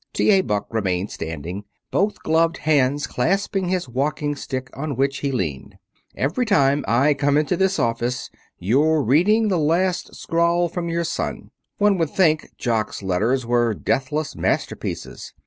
T. A. Buck remained standing, both gloved hands clasping his walking stick on which he leaned. "Every time I come into this office, you're reading the latest scrawl from your son. One would think Jock's letters were deathless masterpieces.